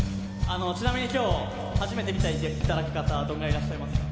ちなみに今日初めて見ていただく方どんぐらいいらっしゃいますか？